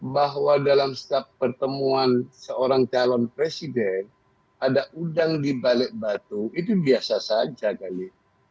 bahwa dalam setiap pertemuan seorang calon presiden ada udang di balik batu itu biasa saja kali